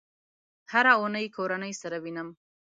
هره اونۍ کورنۍ سره وینم